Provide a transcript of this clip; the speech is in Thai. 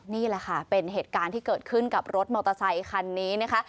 นี่แหละค่ะเป็นเหตุการณ์ที่เกิดขึ้นกับรถมอเตอร์ไซคันนี้นะคะ